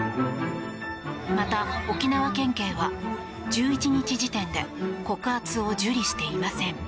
また、沖縄県警は１１日時点で告発を受理していません。